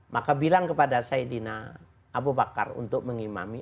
maka bilang kepada saidina abu bakar untuk mengimami